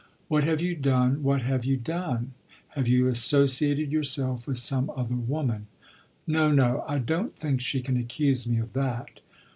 "What have you done what have you done? Have you associated yourself with some other woman?" "No, no; I don't think she can accuse me of that."